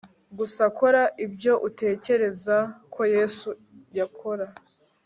gusa kora ibyo utekereza ko yesu yakora